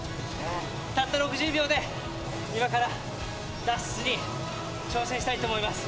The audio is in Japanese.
たった６０秒で今から脱出に挑戦したいと思います。